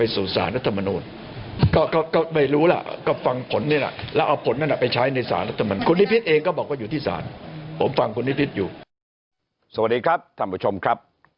สวัสดีครับท่านผู้ชมครับ